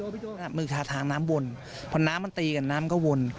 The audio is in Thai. พี่โจ๊กมือถาดทางน้ำวนเพราะน้ำตีกับน้ำก็วน